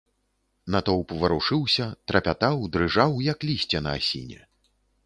Натоўп варушыўся, трапятаў, дрыжаў, як лісце на асіне.